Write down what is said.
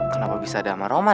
kenapa bisa ada sama roman